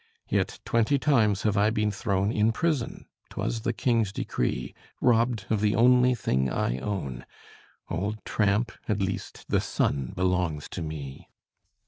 Yet twenty times have I been thrown In prison 'twas the King's decree; Robbed of the only thing I own: Old tramp, at least the sun belongs to me.